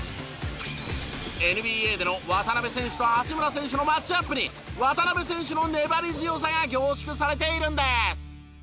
ＮＢＡでの渡邊選手と八村選手のマッチアップに渡邊選手の粘り強さが凝縮されているんです！